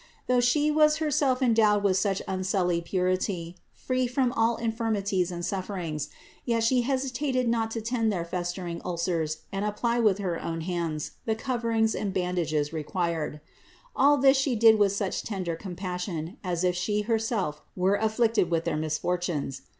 Though She was Herself endowed with such unsullied purity, free from all infirmities and sufferings, yet She hesitated not to tend their festering ulcers and apply with her own hands the coverings and bandages required. All this She did with such tender compassion, as if She her self were afflicted with their misfortunes.